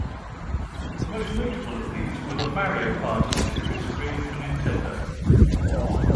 The most notable of these were the "Mario Party" series, created for Nintendo.